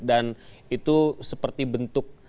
dan itu seperti bentuk